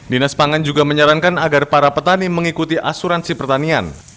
dinas pangan juga menyarankan agar para petani mengikuti asuransi pertanian